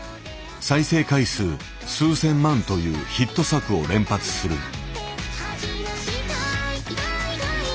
再生回数数千万というヒット作を連発する。